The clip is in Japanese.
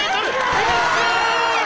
フィニッシュ！